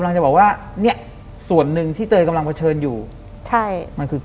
หลังจากนั้นเราไม่ได้คุยกันนะคะเดินเข้าบ้านอืม